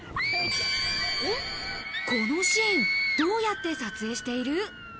このシーン、どうやって撮影している？